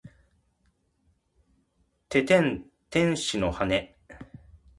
ててんてん天使の羽！